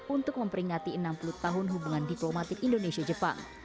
untuk memperingati enam puluh tahun hubungan diplomatik indonesia jepang